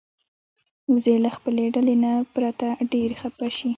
وزې له خپلې ډلې نه پرته ډېرې خپه شي